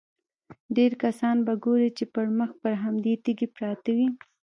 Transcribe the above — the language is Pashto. ډېری کسان به ګورې چې پړمخې پر همدې تیږې پراته وي.